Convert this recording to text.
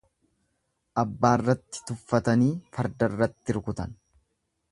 Abbaarratti tuffatanii fardarratti rukutan.